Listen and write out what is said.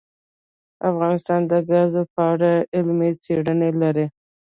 افغانستان د ګاز په اړه علمي څېړنې لري.